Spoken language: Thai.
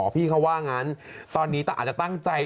พี่เขาว่างั้นตอนนี้อาจจะตั้งใจ